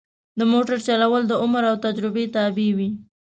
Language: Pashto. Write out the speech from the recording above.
د موټر چلول د عمر او تجربه تابع وي.